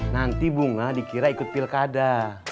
nanti bunga dikira ikut pilkada